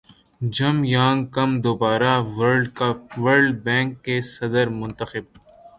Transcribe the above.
جم Yong Kim دوبارہ World Bank کے صدر منتخب